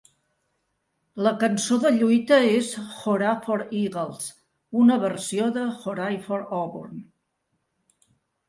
La cançó de lluita és "Hoorah for Eagles", una versió de "Hooray for Auburn".